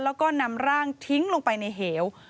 แล้วก็นำร่างทิ้งลงไปในเหว